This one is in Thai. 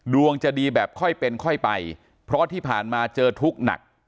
ดวงจะดีแบบค่อยเป็นค่อยไปเพราะที่ผ่านมาเจอทุกข์หนัก